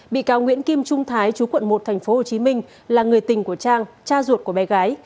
bị cáo nguyễn kim trung thái chú quận một tp hcm là người tình của trang cha ruột của bé gái